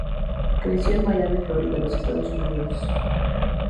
Creció en Miami, Florida, los Estados Unidos.